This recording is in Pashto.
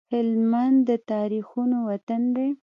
هلمند د تاريخونو وطن دی